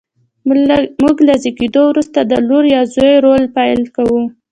موږ له زېږېدو وروسته د لور یا زوی رول پیل کوو.